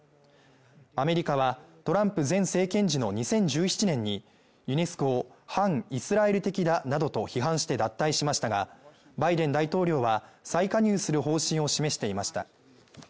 アメリカはトランプ前政権時の２０１７年にユネスコを反イスラエル的だなどと批判して脱退しましたが、バイデン大統領は再加入する方針を示していました。